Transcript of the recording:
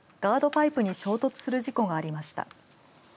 パイプに衝突する事故がありました。